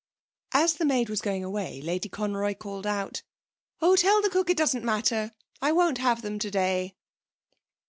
As the maid was going away Lady Conroy called out: 'Oh, tell the cook it doesn't matter. I won't have them today.'